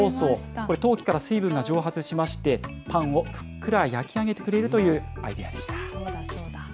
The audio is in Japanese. これ、陶器から水分が蒸発しまして、パンをふっくら焼き上げてくれるというアイデアでした。